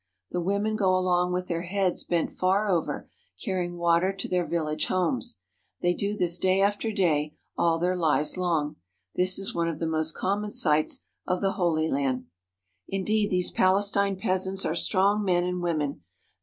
The women go along with their heads bent far over, carrying water to their village homes. They do this day after day all their lives long. This is one of the most common sights of the Holy Land. Indeed these Palestine peasants are strong men and women.